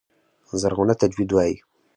زرغونه تجوید وايي.